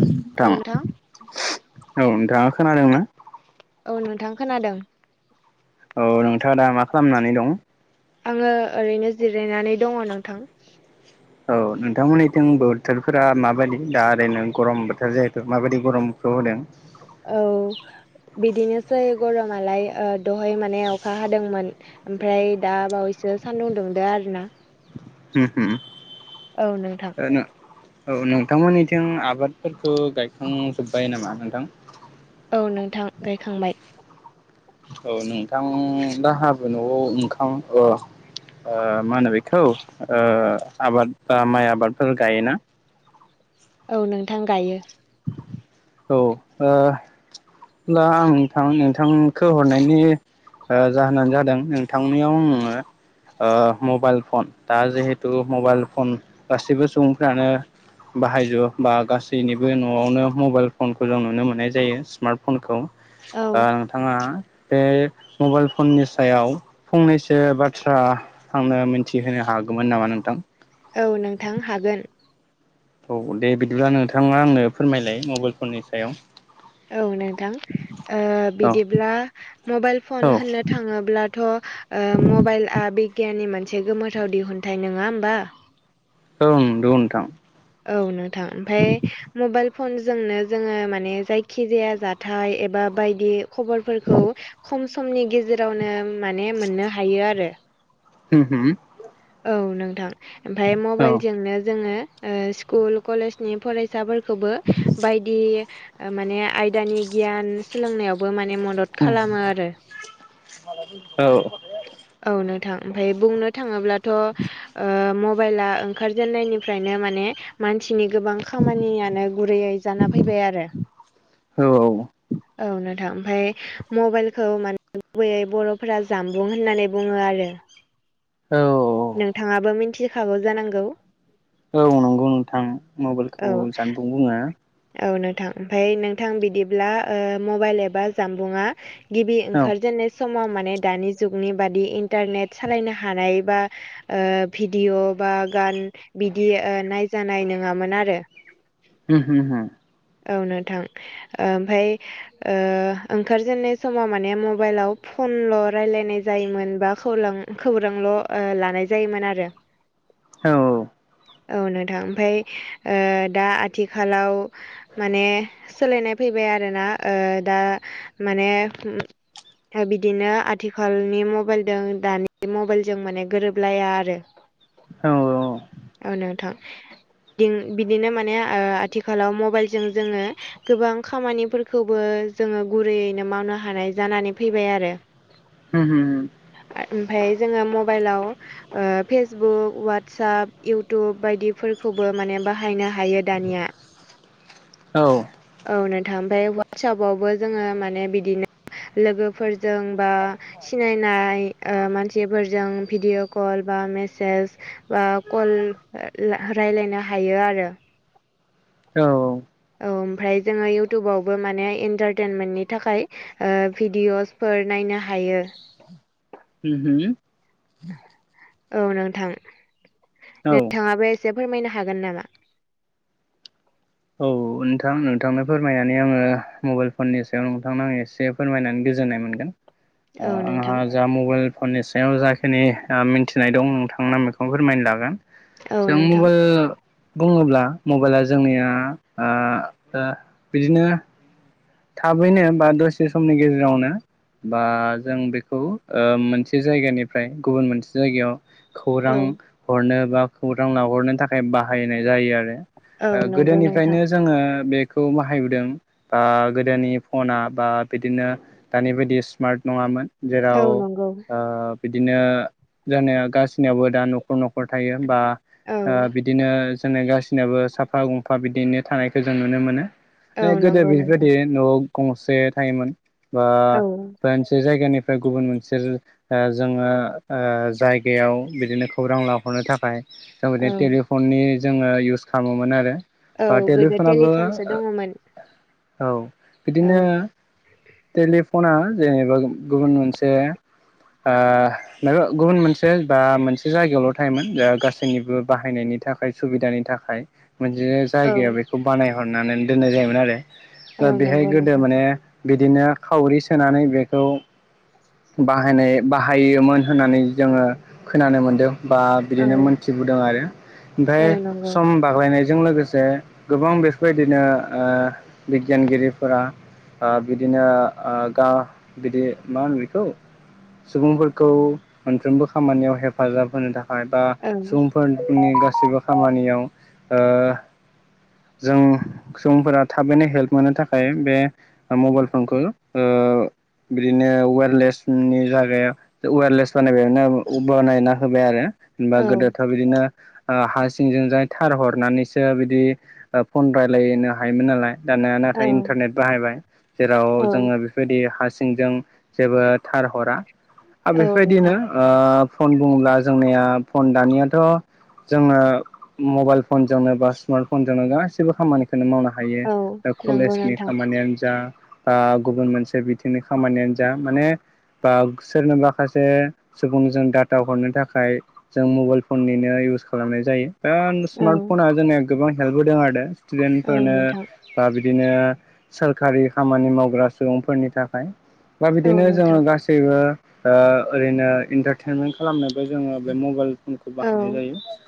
नोंथां औ नोंथाङा खोनादों ना? औ नोंथां खोनादों। औ नोंथाङा दा मा खालामनानै दं आङो ओरैनो जिरायनानै दङ नोंथां औ नोंथांमोननिथिं बोथोरफोरा माबायदि दा ओरैनो गरम बोथोर जिहेथु माबायदि गरमखौ होदों औ बिदिनोसै गरमालाय दहाय माने अखा हादोंमोन ओमफ्राय दाबावैसो सान्दुं दुंदो आरोना हम हम औ नोंथां ओरैनो औ नोंथांमोननिथिं आबादफोरखौ गायखांजोब्बाय नामा नोंथां औ नोंथां गायखांबाय औ नोंथां दा हाबो न'आव ओखां औ मा होनो बेखौ आबाद बा माइ आबादफोर गायोना औ नोंथां गायो औ ओ दा आं नोंथां नोंथांखौ हरनायनि ओ जाहोनानो जादों नोंथांनियाव आङो मबाइल फन दा जिहेतु मबाइल फन गासैबो सुबुंफ्रानो बाहायजोबो बा गासैनि बो न'वावनो मबाइल फनखौ जों नुनो मोननाय जायो स्मार्ट फनखौ औ नोंथाङा बे मबाइल फननि सायाव फंनैसो बाथ्रा आंनो मिथिहोनो हागौमोन नामा नोंथां औ नोंथां हागोन औ दे बिदिब्ला नोंथाङा आंनो फोरमायलाय मबाइलफोरनि सायाव औ नोंथां औ बिदिब्ला मबाइल फन औ होननो थाङोब्लाथ मबाइलआ बिगियाननि मोनसे गोमोथाव दिहुनथाइ नङा होमबा औ नंगौ नोथां औ नोंथां ओमफ्राय मबाइल फनजोंनो जोंङो माने जायखि जाया जाथाय एबा बायदि खबरफोरखौ खम समनि गेजेरावनो माने मोननो हायो आरो उ उ औ नोंथां ओमफ्राय औ मबाइलजोंनो जोङो स्कुल कलेजनि फरायसाफोरखौ बायदि आयदानि गियान सोलोंनाय बो माने मदद खालामो आरो औ औ नोंथां ओमफ्राय बुंनो थाङोब्लाथ' मबाइला ओंखारजेननायनिफ्रायनो माने मानसिनि गोबां खामानियानो गुरैयै जाना फैबाय आरो औ औ नोंथां ओमफफ्राय मबाइलखौ माने गुबैयै बर'फोरा जाम बुं होननानै बुंङो आरो औ नोंथाङाबो मिथिखागौ जानांगौ औ नंगौ नोंथां औ मबाइलखौ जानबुं बुङो औ नोंथां ओमफ्राय नोंथां बिदिब्ला मबाइल एबा जानबुंआ गिबि औ उम ओंखारजेननाय समाव माने दानि जुगनि बादि इन्टारनेट सालायनो हानाय बा ओ भिडिअ' बा गान बिदि नायजानाय नङामोन आरो जे [inaudible] औ नोंथां ओमफाय ओंखारजेननाय समाव माने मबाइलाव फनल' रायजलायनाय जायोमोन बा खौरां खौरांल' लानाय जायोमोन आरो औ औ नोंथां ओमफ्राय दा आथिखालाव माने सोलायनाय फैबाय आरोना। दा माने दा बिदिनो आथिखालनि मबाइलजों दानि मबाइलजों माने गोरोबलाया आरो। औ औ नोंथां। बिदिनो माने आथिखालाव मबाइलजों जोंङो। गोबां खामानिफोरखौबो जोंङो गुरैयैनो मावनो हानाय जानानै फैबाय आरो। उम उम। ओमफ्राय जोंङो मबाइलाव। फेसबुक वाटसप इउटुब बायदिफोरखौ बो माने बाहायनो हायो दानिया। औ औ नोंथां ओमफफ्राय वाटसपआवबो जोङो माने बिदिनो लोगोफोरजों बा सिनायनाय मानसिफोरजों भिडिअ कल बा मेसेज बा कल रायलायनो हायो आरो। औ। औ ओमफ्राय जोङो इउटुबावबो माने एन्टारटेनमेन्टनि थाखाय। भिडिअसफोर नायनो हायो। [unintelligible] औ नोंथां औ नोंथांङाबो एसे फोरमायनो हागोन नामा? औ नोंथां नोंथांनो फोरमायनानै आङो मबाइल फननि सायाव नोंथांनो आं एसे फोरमायनानै गोजोननाय मोनगोन। औ नोंथां आंहा जा मबाइल फननि सायाव जाखिनि मिथिनाय दं नोंथांमोना बेेखौनो फोरमायनो लागोन। औ जों नोंथां मबाइल बुंङोब्ला मबाइला जोंनिया आं बिदिनो थाबैनो बा दसे समनि गेजेरावनो बा जों बेखौ मोनसे जायगानिफ्राय गुबुन मोनसे जायगायाव खौरां औ हरनो बा खौरां लाहरनो थाखाय बाहायनाय जायो आरो। औ नंगौ नोंथां गोदोनिफ्रायनो जोङो बेखौ बाहायबोदों। ओ गोदोनि फना बा बिदिनो दानि बायदि स्मार्ट नङामोन। औ जेराव नंगौ ओ बिदिनो जानाया गासिनियावबो दा न'खर न'खर थायो। बा औ बिदि बिदिनो जों गासिनाबो साफा गंफा बिदिनो थानायखौ जों नुनो मोनो। औ गोदो नंगौ बेबायदि नोंथां न'आव गंसे थायोमोन बा औ मोन मोनसे जायगानिफ्राय फ्राय गुबुन मोनसे जोङो जायगायाव बिदिनो खौरां लाहरनो थाखाय। जों औ बिदि टेलिफननि जोङो इउस खालामोमोन आरो। औ बा गोदो टेलिफनाबो टेलिफनसो दङमोन औ औ बिदिनो टेलिफना जेनेबा गुबुन मोनसे ओ माबा गुबुन मोनसे बा मोनसे जायगायावल' थायोमोन गासैनिबो बाहायनायनि थाखाय। सुबिदानि थाखाय मोनसे औ जायगायाव बेखौ बानायहरनानै दोननाय जायोमोन आरो। औ दा बेहाय नंगौ गोदो नोंथां माने बिदिनो खावरि सोनानै बेखौ बाहायनाय बाहायोमोन होननानै जोङो खोनानो मोनदों। बा औ बिदिनो मोनथिबोदों आरो। ओमफ्राय औ नंगौ सम बाग्लायनायजों लोगोसे गोबां बेफोरबायदिनो बिगियानगिरिफोरा ओ बिदिनो ओ गा बिदि मा होनो बेखौ सुबुंफोरखौ मोनफ्रोमबो खामानियाव हेफाजाब होनो थाखाय। बा ओं सुबुंफोरनि गासिबो खामानियाव जों सुबुंफोरा थाबैनो हेल्प मोननो थाखाय बे मबाइल फनखौ बिदिनो वेरलेसनि जागायाव वारलेस बानायबायनो बानायना होबाय आरो बा औ गोदोथ' बिदि बिदिनो ओ हा सिंजोंजाय थार हरनानैसो बिदि ओ फन रायलायनो हायोमोन नालाय दाना औ नाथाय इनथारनेट बाहायबाय जेराव औ जोङो बेफोरबायदि हा सिंजों जेबो थार हरा आरो औ बेफोरबायदिनो नोंथां ओ फन बुङोब्ला जोंनिया फन दानियाथ' जोङो मबाइल फनजोंनो बा स्मार्ट फनजोंनो गासैबो खामानिखौनो मावनो हायो औ नंगौ कलेजनि नोंथां खामानियानो जा बा गुबुन मोनसे बिथिंनि खामानियानो जा माने बा सोरनोबा माखासे सुबुंजों डाटा हरनो थाखाय जों मबाइल फननिनो इउस खालामनाय जायो दा औ स्मार्ट फना जोंनो गोबां हेल्प होदों आरो औ स्टुडेन्टफोरनो नोंथां बा बिदिनो सोरखारि खामानि मावग्रा सुबुंफोरनि थाखाय बा औ बिदिनो जोङो नोंथां गासै सैबो ओ ओरैनो इनथारथेनमेन्ट खालामनोबो जोङो बे मबाइल फनखौ औ बाहायनाय जायो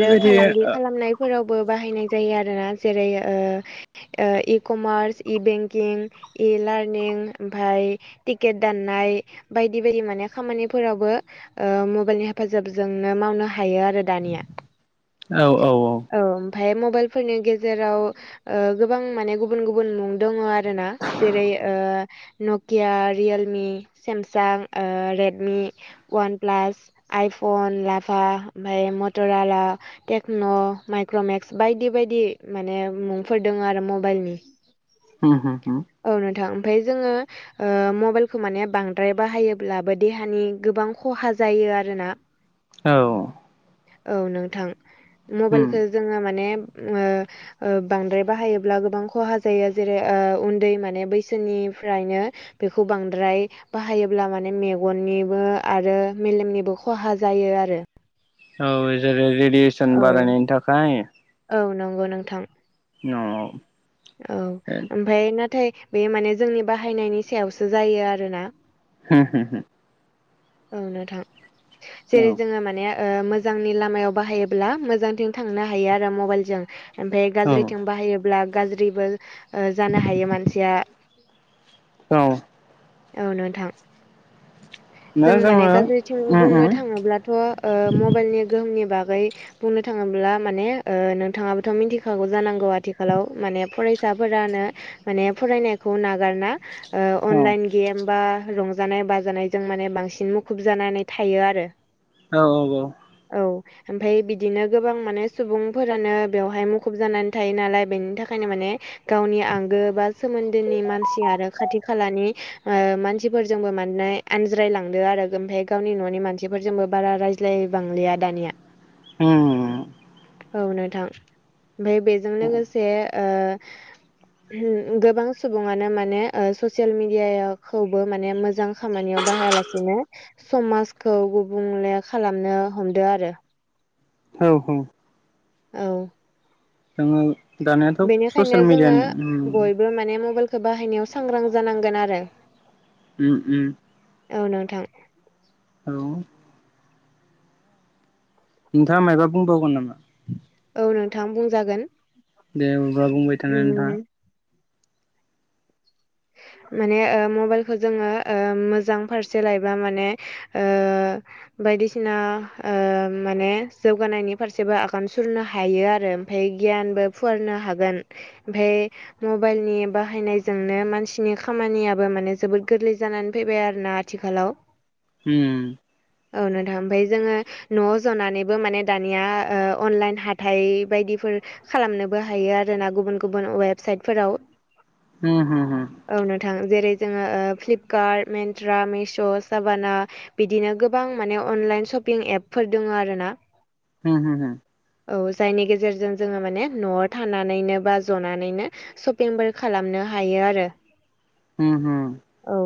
बेबायदि ओ फोरावबो बाहायनाय जायो आरोना जेरै ओ ओ E commerce E banking E learning ओमफाय टिकेट दाननाय बायदि बायदि माने खामानिफोरावबो ओ मबाइलनि हेफाजाबजो जोंनो मावनो हायो आरो दानिया औ ओमफाय मबाइलफोरनि गेजेराव ओ गोबां माने गुबुन गुबुन मुं दोङो आरोना जेरै ओ नकिया रियेलमि सेमसां ओ रेडमि वान प्लास, आइफन, लाभा ओमफ्राय मटराला टेक्न' माइक्रमेक्स बायदि बायदि माने मुंफोर दोङो आरो मबाइलनि हो हो हो औ नोंथां ओमफाय जोंङो ओ मबाइलखौ माने बांद्राय बाहायोब्लाबो देहानि गोबां ख'हा जायो आरोना औ औ नोंथां होम मबाइलखौ जोंङो माने ओ ओ बांद्राय बाहायोब्ला गोबां ख'हा जायो जेरै ओ उन्दै माने बैसोनिफ्रायनो बेखौ बांद्राय बाहायोब्ला माने मेगननिबो आरो मेलेमनिबो ख'हा जायो आरो औ जेरै रेडियेसन औ बारायनायनि थाखाय औ नोंगौ नोंथां [unintelligible] औ ओमफाय नाथाय बे माने जोंनि बाहायनायनि सायावसो जायो आरोना हो हो हो औ नोंथां जेरै होम जोंङो माने ओ मोजांनि लामायाव बाहायोब्ला मोजांथिं थांनो हायो आरो मबाइलजों ओमफाय गाज्रिथिं औ बाहायोब्ला गाज्रिबो ओ जानो हायो मानसिया औ औ नोंथां नो जों जोङो माने उम उम औ गाज्रिथिं बुंनो थाङोब्ला थ' ओ मबाइलनि गोहोमनि बागै बुंनो थाङोब्ला माने ओ नोंथांङाबोथ' मिनथिखागौ जानांगौ आथिखालाव माने फरायसाफोरानो माने फरायनायखौ नागारना ओ अनलाइन गेम बा रंजानाय-बाजानायजों माने बांसिन मुखुब जानानै थायो आरो औ औ औ औ ओमफाय बिदिनो गोबां माने सुबुंफोरानो बेवहाय मुखुब जानानै थायो नालाय बेनि थाखायनो माने गावनि आंगो बा सोमोन्दोनि मानसि आरो खाथि खालानि ओ मानसिफोरजोंबो मानोना आनज्रायलांदो आरो ओमफाय गावनि न'नि मानसिफोरजोंबो बारा राय ज्लाय बांलिया आ दानिया उम औ नोंथां ओमफाय बेजों औ लोगोसे ओ गोबां सुबुङानो माने ससियेल मिडियायाव खौबो माने मोजां खामानियाव बाहायालासिनो समाजखौ गुबुंले खालामनो हमदो आरो औ औ औ जोंङो दानायाथ' बेनिखायनो ससियेल जोङो मिडियानि बयबो माने मबाइ बाहायनायाव सांग्रां जानांगोन आरो उम उम औ नोंथां औ' नोंथांङा मायबा बुंबावगोन नामा औ नोंथां बुंजागोन दे अब्ला बुंबाय था नोंथांङा उम माने ओ मबाइलखौ जोंङो मोजां फारसे लायोबा माने ओ बायदिसिना ओ माने जौगानायनि फारसेबो आगान सुरनो हायो आरो ओमफाय गियानबो फुवारनो हागोन ओमफाय मबाइलनि बाहायनायजोंनो मानसि बिसिनि खामानियाबो माने जोबोद गोरलै जानानै फैबाय आरोना आथिखालाव उम औ नोंथां ओमफ्राय जोङो न'आव जनानैबो माने दानिया ओ अनलाइन हाथाइ बायदिफोर खालामनोबो हायो आरो ना गुबुन गुबुन वेबसाइटफोराव होम होम औ नोंथां जेरै जोङो फ्लिपकार्ट मेन्ट्रा मिश' साबाना बिदिनो गोबां माने अनलाइन सशपिं एपफोर दङ आरो ना होम होम औ जायनि गेजेरजों जोङो माने न'आव थानानैनो बा जनानैनो सपिंबो खालामनो हायो आरो होम होम औ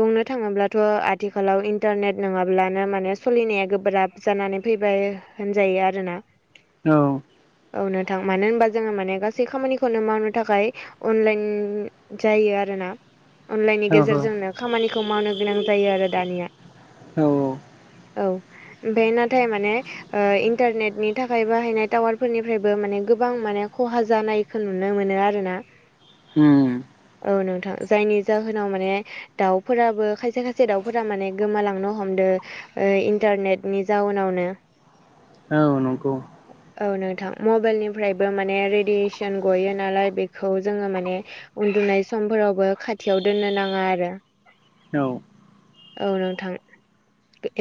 बुंनो थाङोब्लाथ' आथिखालाव इन्टारनेट नोङाब्लानो माने सोलिनाया गोब्राब जानानै फैबाय होनजायो आरोना औ औ नोंथां मानो होनबा जोंङो माने गासै खामानिखौनो मावनो थाखाय अनलाइन जायो आरोना अनलाइननि औ औ गेजेरजोंनो खामानिखौ मावनो गोनां जायो आरो दानिया औ औ ओमफ्राय नाथाय माने ओ इन्टारनेटनि थाखाय बाहायनाय टावार फोरनिफ्रायबो माने गोबां माने खहा जानाय खौ नुनो मोनो आरो ना होम औ नोंथां जायनि जाहोनाव माने दाउफोराबो खायसे खायसे दाउफोरा माने गोमालांनो हमदो ओ इन्टारनेटनि जाउनावनो औ नंगौ औ नोंथां मबाइलनिफ्रायबो माने रेडियेसन गयो नालाय बेखौ जोङो माने उन्दुनाय समफोरावबो खाथियाव दोननो नाङा आरो औ औ नोंथां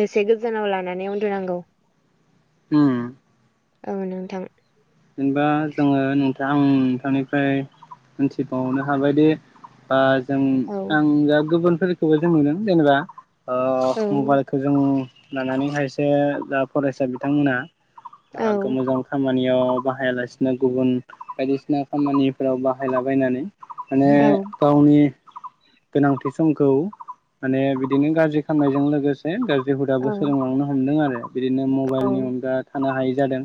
एसे गोजानाव लानानै उन्दुनांगौ उम औ नोंथां जेनेबा जोङो थोंथां आं नोंथांनिफ्राय मोनथिबावनो हाबायदि बा जों औ आं दा गुबुनफोरखौबो जों नुदों जेनेबा औ मबाइलखौ जों लानानै खायसे दा फरायसा बिथांमोनहा मोजां खामानियाव बाहायालासिनो गुबुन बायदिसिना खामानि फोराव बाहायलाबायनानै माने औ गावनि गोनांथि समखौ माने बिदिनो गाज्रि खालामनायजों लोगोसे गाज्रि हुदाबो औ सोलोंलांनो हमदों आरो बिदिनो औ मबाइलनि अनगा थानो हायि जादों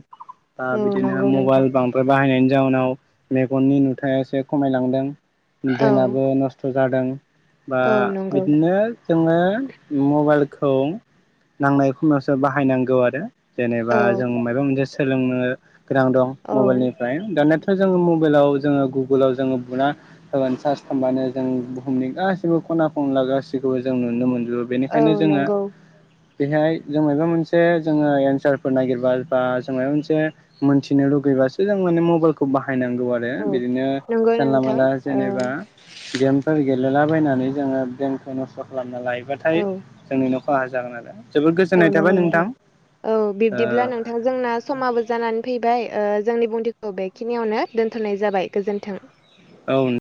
औ बिदिनो नंगौ मबाइल नोंथां बांद्राय बाहायनायनि जाउनाव मेगननि नुथाया एसे खमायलांदों औ ब्रेनाबो नस्थ' जादों बा औ नंगौ बिदिनो जोङो मबाइलखौ नांनाय खमायावसो बाहायनांगौ आरो जेनेबा औ जों माबा मोनसे सोलोंनो गोनां दं औ मबाइलनिफ्राय दानियाथ' जोङो मबाइलाव जोङो गुगोलाव जोङो बुना होबानो सारस खालामबानो जों बुहुमनि गासैबो खना खनला गासैखौबो जों नुनो मोनजोबो औ बेनिखायनो जोङो नंगौ बेहाय जों मायबा मोनसे जोङो एन्सारफोर नागिरबा बा जों मायाबा मोनसे मोन्थिनो लुगैबासो जों माने मबाइलखौ बाहायनांगौ आरो औ आरो बिदिनो नंगौ जानला नोंथां मानला औ जेनेबा गेमफोर गेलेलाबायनानै जोङो ब्रेमखौ नस्थ' खालामना लायोबा नाथाय औ जोंनिनो खहा जागोन आरो जोबोद औ गोजोननाय थाबाय नंगौ नोंथां औ बिब्दिब्ला नोंथां जोंना समाबो जानानै फैबाय जोंनि बुंथिखौ बेखिनियावनो दोनथ'नाय जाबाय गोजोन्थों औ